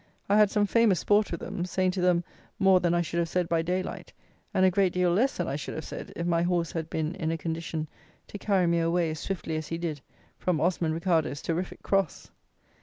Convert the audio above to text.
I had some famous sport with them, saying to them more than I should have said by daylight, and a great deal less than I should have said, if my horse had been in a condition to carry me away as swiftly as he did from Osmond Ricardo's terrific cross!